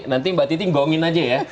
nanti mbak titi ngongin saja ya